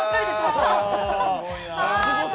すごいな。